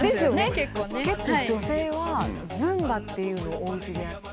結構女性はズンバっていうのをおうちでやって。